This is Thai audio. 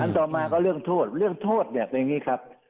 ต่อมาก็เรื่องโทษเรื่องโทษเนี่ยเป็นอย่างนี้ครับ